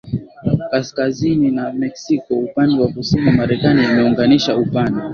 kaskazini na Meksiko upande wa kusini Marekani imeunganisha upana